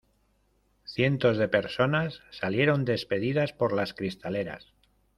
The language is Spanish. cientos de personas salieron despedidas por las cristaleras.